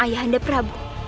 ayah anda prabu